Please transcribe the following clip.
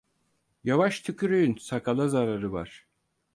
Yavaş tükürüğün sakala zararı var.